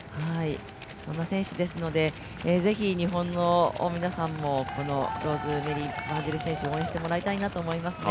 そんな選手なので是非日本の皆さんもローズメリー・ワンジル選手を応援してほしいなと思いますね。